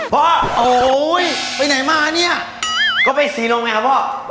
โอ๊ยไปไหนมาเนี่ยก็ไปซีโรงไงครับพ่อ